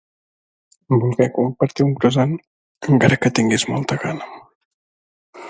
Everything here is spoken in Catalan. Volguer compartir un croissant encara que tinguis molta gana.